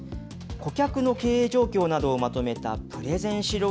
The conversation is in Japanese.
顧客の経営状況などをまとめたプ